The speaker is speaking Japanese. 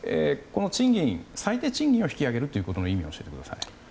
最低賃金を引き上げることの意味を教えてください。